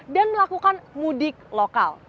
dan melakukan mudik lokal